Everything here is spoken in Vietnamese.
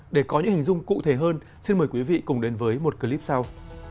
để có những hình dung cụ thể hơn xin mời quý vị cùng đến với một clip sau